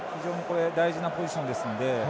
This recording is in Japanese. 大事なポジションですので。